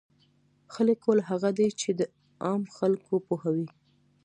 ښه لیکوال هغه دی چې عام خلک وپوهوي.